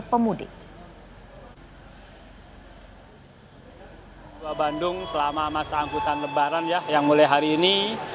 pemuda bandung selama masa angkutan lebaran yang mulai hari ini